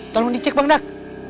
tolong dicek bangdak